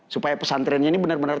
supaya pesantrennya ini benar benar